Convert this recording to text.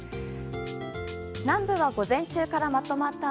南部は午前中からまとまった雨。